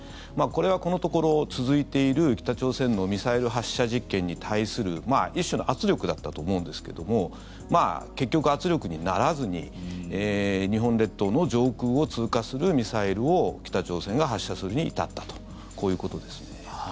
これは、このところ続いている北朝鮮のミサイル発射実験に対する一種の圧力だったと思うんですけども結局、圧力にならずに日本列島の上空を通過するミサイルを北朝鮮が発射するに至ったとこういうことですね。